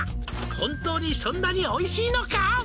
「本当にそんなにおいしいのか？」